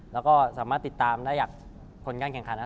แล้วก็สามารถติดตามได้จากผลการแข่งขันนะ